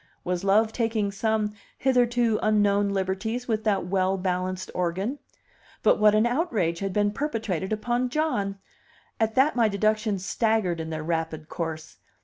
Was love taking some hitherto unknown liberties with that well balanced organ? But what an outrage had been perpetrated upon John! At that my deductions staggered in their rapid course.